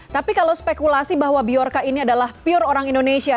tapi kalau spekulasi bahwa biorca ini adalah pure orang indonesia